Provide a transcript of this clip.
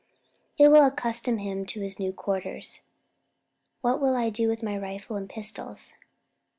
It will accustom him to his new quarters. What shall I do with my rifle and pistols?"